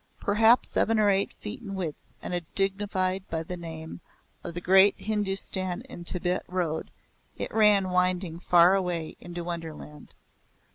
Perhaps seven or eight feet in width and dignified by the name of the Great Hindustan and Tibet Road it ran winding far away into Wonderland.